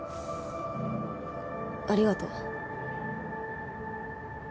ありがとう。